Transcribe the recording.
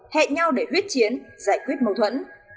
hẹn nhau để huyết chiến giải quyết mâu thuẫn